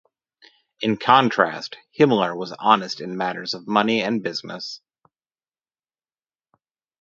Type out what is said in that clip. In contrast, Himmler was honest in matters of money and business.